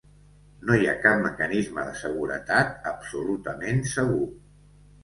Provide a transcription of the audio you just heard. No hi ha cap mecanisme de seguretat absolutament segur.